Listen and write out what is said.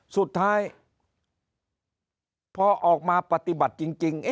สุดท้ายพอออกมาปฏิบัติจริง